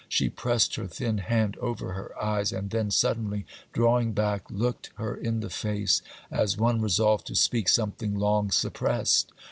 She pressed her thin hand over her eyes, and then, suddenly drawing back, looked her in the face as one resolved to speak something long suppressed.